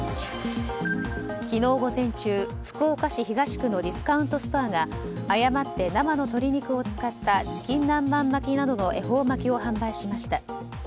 昨日午前中、福岡市東区のディスカウントストアが誤って、生の鶏肉を使ったチキン南蛮巻きなどの恵方巻きを販売しました。